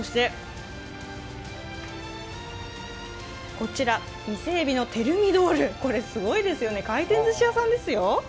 こちら伊勢えびのテルミドール、すごいですよね、回転寿司屋さんですよ。